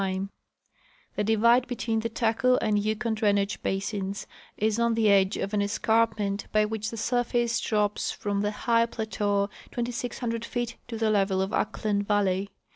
The divide between the Taku and Yukon drainage basins is on the edge of an escarpment by which the surface drops from the high plateau 2,600 feet to the level of Ahklen valley.